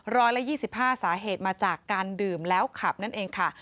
ร้อยละ๒๕สาเหตุมาจากการดื่มแล้วขับนั่นเองค่ะ